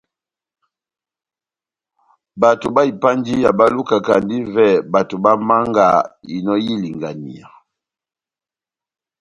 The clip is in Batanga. Bato bá ipanjiya bá lukakandi ivɛ bato bá mianga inò y'ilinganiya.